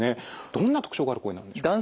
どんな特徴がある声なんでしょうか？